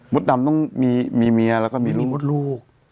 มุดดำต้องมีเมียแล้วก็มีลูก